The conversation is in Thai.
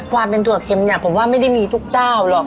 ความเป็นถั่วเค็มเนี่ยผมว่าไม่ได้มีทุกเจ้าหรอก